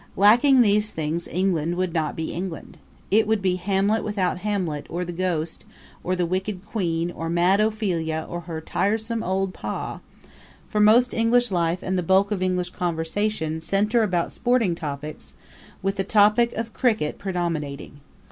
Lacking these things England would not be England. It would be Hamlet without Hamlet or the Ghost or the wicked Queen or mad Ophelia or her tiresome old pa; for most English life and the bulk of English conversation center about sporting topics, with the topic of cricket predominating.